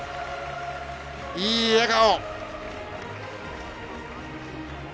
いい笑顔。